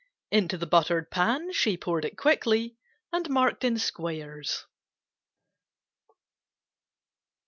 Into the buttered pan she poured it quickly and marked in squares.